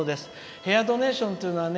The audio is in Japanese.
ヘアードネーションというのはね